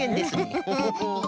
ウフフフ。